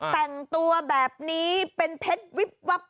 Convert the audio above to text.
แต่งตัวแบบนี้เป็นเพชรวิบวับ